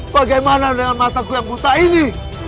bagaimana dengan mataku yang buta ini